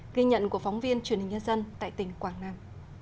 ghi nhận của phóng viên truyền hình nhân dân tại tỉnh quảng nam